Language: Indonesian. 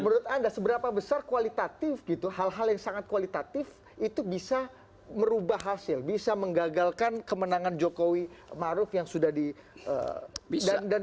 menurut anda seberapa besar kualitatif gitu hal hal yang sangat kualitatif itu bisa merubah hasil bisa menggagalkan kemenangan jokowi maruf yang sudah diberikan